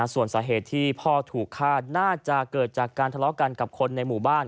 ส่วนสาเหตุที่พ่อถูกฆาตน่าจะเกิดจากการทะเลาะกันกับคนในหมู่บ้าน